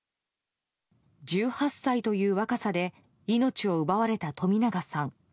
１８歳という若さで命を奪われた冨永さん。